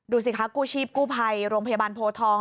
ดูสิคะกู้ชีพกู้ภัยโรงพยาบาลโพทอง